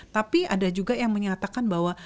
tapi ada juga yang menyatakan bahwa